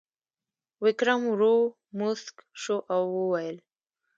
ویکرم ورو موسک شو او وویل: